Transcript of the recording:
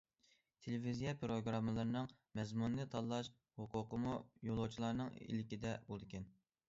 تېلېۋىزىيە پىروگراممىلىرىنىڭ مەزمۇنىنى تاللاش ھوقۇقىمۇ يولۇچىلارنىڭ ئىلكىدە بولىدىكەن.